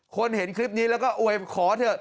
คนเห็นคลิปนี้แล้วก็โอเว่